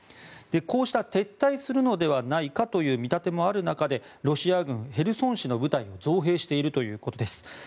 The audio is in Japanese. こうした撤退するのではないかという見立てもある中でロシア軍はヘルソン市の部隊を増兵しているということです。